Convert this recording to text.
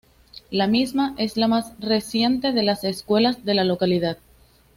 La misma es la más recientes de las escuelas de la localidad.